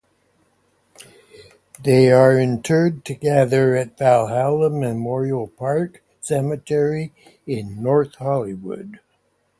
They are interred together at Valhalla Memorial Park Cemetery in North Hollywood.